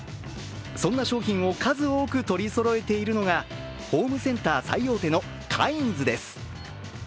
そんな商品を数多く取りそろえているのがホームセンター最大手のカインズです。